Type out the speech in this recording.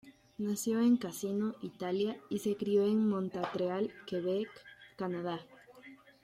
Nació en Cassino, Italia, y se crio en Montreal, Quebec, Canadá.